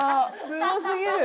すごすぎる。